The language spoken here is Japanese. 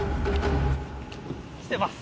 きてます！